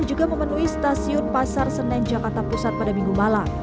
juga memenuhi stasiun pasar senen jakarta pusat pada minggu malam